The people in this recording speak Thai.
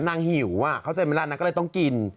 นางหิวอะเขาเจอเมละนางก็เลยต้องกิน